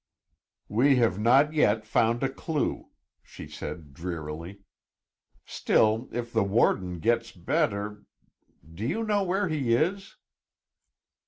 "We have not yet found a clue," she said drearily. "Still, if the warden gets better Do you know where he is?"